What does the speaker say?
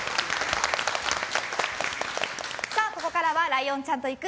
ここからはライオンちゃんと行く！